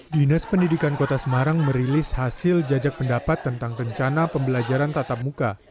dinas pendidikan kota semarang merilis hasil jajak pendapat tentang rencana pembelajaran tatap muka